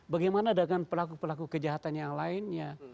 bagaimana dengan pelaku pelaku kejahatan yang lainnya